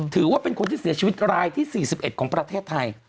ถือว่าเป็นคนที่เสียชีวิตรายที่๔๑ของประเทศไทย